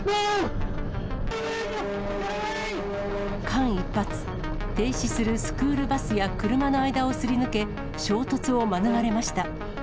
間一髪、停止するスクールバスや車の間をすり抜け、衝突を免れました。